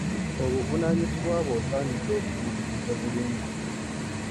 Obuvunaanyizibwa bwo osaanidde obutuukirize bulungi.